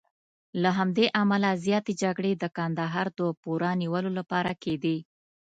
له همدې امله زیاتې جګړې د کندهار د پوره نیولو لپاره کېدې.